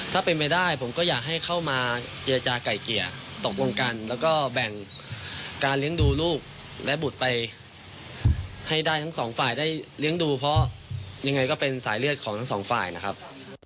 ถ้าเป็นไปได้ผมก็อยากให้เข้ามาเจรจาไก่เกลี่ยตกลงกันแล้วก็แบ่งการเลี้ยงดูลูกและบุตรไปให้ได้ทั้งสองฝ่ายได้เลี้ยงดูเพราะยังไงก็เป็นสายเลือดของทั้งสองฝ่ายนะครับ